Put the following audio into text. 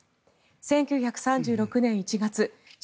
１９３６年１月父